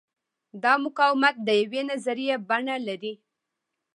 دا مقاومت د یوې نظریې بڼه لري.